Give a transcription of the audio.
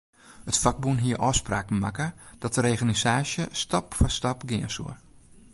It fakbûn hie ôfspraken makke dat de reorganisaasje stap foar stap gean soe.